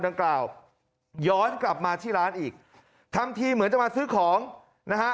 ดังกล่าวย้อนกลับมาที่ร้านอีกทำทีเหมือนจะมาซื้อของนะฮะ